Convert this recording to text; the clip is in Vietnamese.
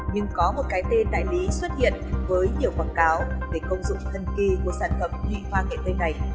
nhưng có một cái tên đại lý xuất hiện với nhiều quảng cáo về công dụng thân kỳ của sản phẩm nhụy hoa nghệ tây này